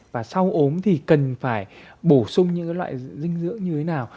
và sau ốm thì cần phải bổ sung những loại dinh dưỡng như thế nào